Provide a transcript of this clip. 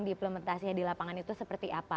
di implementasinya di lapangan itu seperti apa